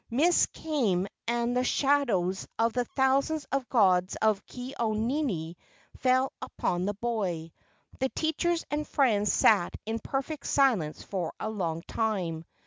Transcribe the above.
Mists came and the shad KE A U NINI 207 ows of the thousands of gods of Ke au nini fell upon the boy. The teachers and friends sat in perfect silence for a long time.